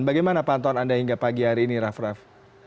bagaimana pantauan anda hingga pagi hari ini raff raff